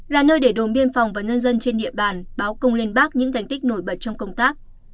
là nơi để đồn biên phòng và nhân dân trên địa bàn báo cung lên bác những thành tích nổi bật trong công tác